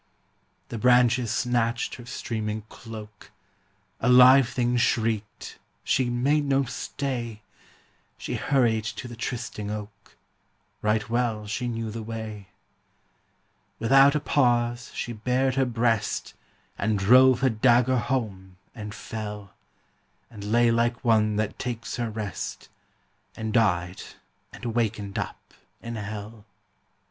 The branches snatched her streaming cloak; A live thing shrieked; she made no stay! She hurried to the trysting oak Right well she knew the way. Without a pause she bared her breast, And drove her dagger home and fell, And lay like one that takes her rest, And died and wakened up in hell.